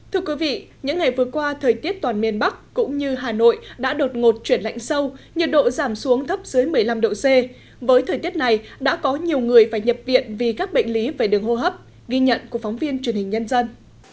thưa quý vị những ngày vừa qua thời tiết toàn miền bắc cũng như hà nội đã đột ngột chuyển lạnh sâu nhiệt độ giảm xuống thấp dưới một mươi năm độ c với thời tiết này đã có nhiều người phải nhập viện vì các bệnh lý về đường hô hấp ghi nhận của phóng viên truyền hình nhân dân